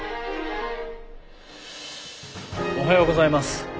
おはようございます。